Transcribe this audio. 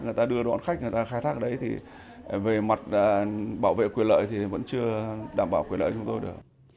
người ta đưa đoạn khách người ta khai thác ở đấy thì về mặt bảo vệ quyền lợi thì vẫn chưa đảm bảo quyền lợi của chúng tôi được